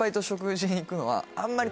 あんまり。